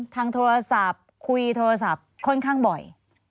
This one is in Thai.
ทางโทรศัพท์คุยโทรศัพท์ค่อนข้างบ่อย